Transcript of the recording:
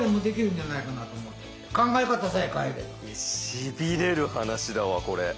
しびれる話だわこれ。